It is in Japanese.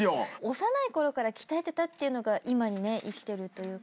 幼い頃から鍛えてたっていうのが今にね生きてるというか。